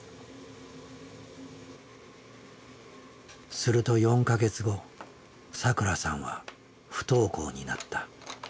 すると４か月後さくらさんは不登校になった。